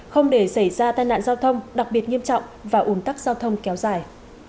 không để xảy ra tai nạn giao thông đặc biệt nghiêm trọng và ủn tắc giao thông kéo dài